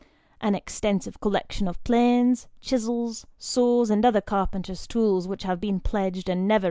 An extensive collection of planes, chisels, saws, and other carpenters' tools, which have been pledged, and never 140 Sketches by 13 02.